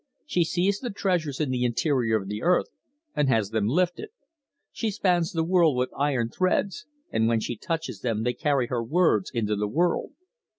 She sees the treasures in the interior of the earth, and has them lifted. She spans the world with iron threads, and when she touches them they carry her words into the world.